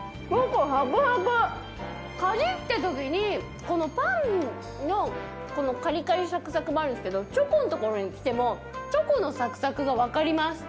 かじったときにこのパンのカリカリサクサクもあるけどチョコのところにきてもチョコのサクサクが分かります。